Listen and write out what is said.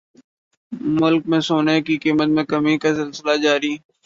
ملک میں سونے کی قیمت میں کمی کا سلسلہ جاری